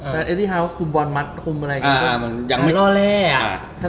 แล้วเราก็เลยไปห้าวใส่เขา